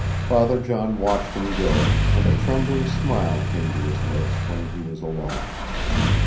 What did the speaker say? Father John watched him go, and a trembling smile came to his lips when he was alone.